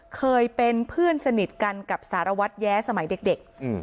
เคยเป็นเพื่อนสนิทกันกับสารวัตรแย้สมัยเด็ก